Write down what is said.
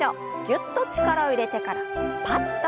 ぎゅっと力を入れてからパッと。